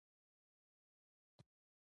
د استاد باید قدر وسي.